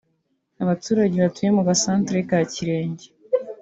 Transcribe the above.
Abaturage batuye mu gasanteri ka Kirenge